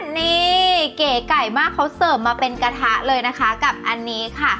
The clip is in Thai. นี่เก๋ไก่มากเขาเสิร์ฟมาเป็นกระทะเลเลยนะคะกับอันนี้ค่ะ